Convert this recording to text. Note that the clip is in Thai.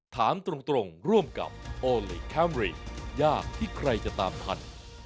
ถามตรงร่วมกับโอลี่คัมรี่ยากที่ใครจะตามทัน